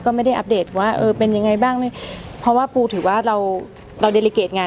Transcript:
ก็ไม่ได้อัพเดทว่าเป็นยังไงบ้าง